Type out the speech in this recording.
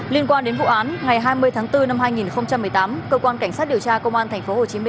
liên quan đến vụ án ngày hai mươi tháng bốn năm hai nghìn một mươi tám cơ quan cảnh sát điều tra công an tp hcm